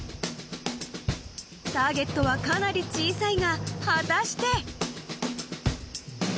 ［ターゲットはかなり小さいが果たして］